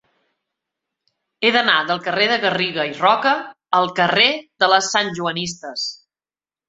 He d'anar del carrer de Garriga i Roca al carrer de les Santjoanistes.